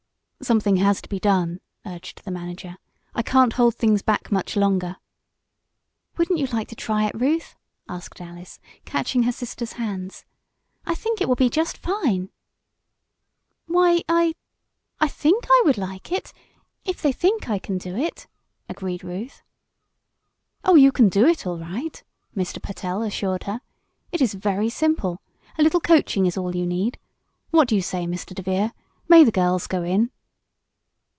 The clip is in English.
"Something has to be done," urged the manager. "I can't hold things back much longer." "Wouldn't you like to try it, Ruth?" asked Alice, catching her sister's hands. "I think it will be just fine!" "Why, I I think I would like it if they think I can do it," agreed Ruth. "Oh, you can do it all right," Mr. Pertell assured her. "It is very simple. A little coaching is all you need. What do you say, Mr. DeVere? May the girls go in?"